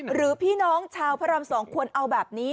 หรือพี่น้องชาวพระราม๒ควรเอาแบบนี้